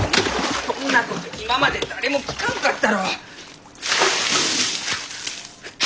そんなこと今まで誰も聞かんかったろう！